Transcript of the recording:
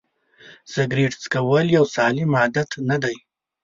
سیګرېټ څکول یو سالم عادت نه دی.